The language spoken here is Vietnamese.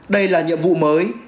đây là nhiệm vụ mới